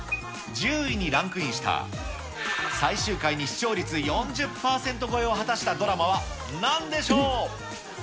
１０位にランクインした、最終回に視聴率４０％超えを果たしたドラマはなんでしょう。